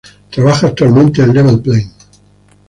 Él trabaja actualmente en Level Plane.